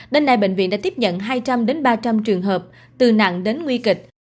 đến nay bệnh viện đã tiếp nhận hai trăm linh ba trăm linh trường hợp từ nặng đến nguy kịch